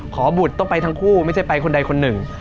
ขอบุตรต้องไปทั้งคู่ไม่ใช่ไปคนใดคนหนึ่ง